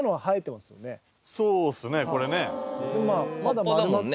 そうですねこれね。